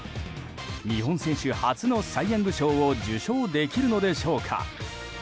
日本選手初のサイ・ヤング賞を受賞できるのでしょうか？